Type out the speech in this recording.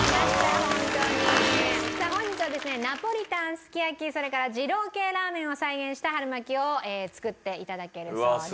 すき焼きそれから二郎系ラーメンを再現した春巻きを作って頂けるそうです。